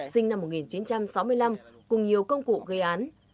sinh năm một nghìn chín trăm sáu mươi năm cùng nhiều công cụ gây án